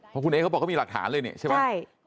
พ่อคุณเอ๊ะเขาบอกว่ามีหลักฐานเลยนี้ใช่ไหม